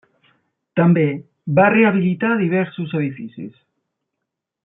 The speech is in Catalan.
També va rehabilitar diversos edificis.